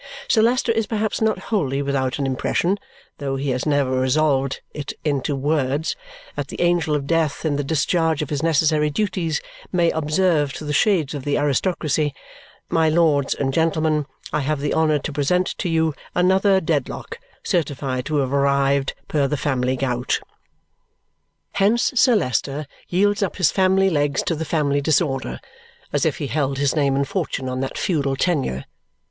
Sir Leicester is perhaps not wholly without an impression, though he has never resolved it into words, that the angel of death in the discharge of his necessary duties may observe to the shades of the aristocracy, "My lords and gentlemen, I have the honour to present to you another Dedlock certified to have arrived per the family gout." Hence Sir Leicester yields up his family legs to the family disorder as if he held his name and fortune on that feudal tenure.